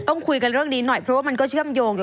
ต้องคุยกันเรื่องนี้หน่อยเพราะว่ามันก็เชื่อมโยงกับ